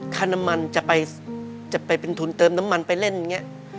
ค่าน้ำมันจะไปเป็นทุนเติมน้ำมันไปเล่นอย่างนี้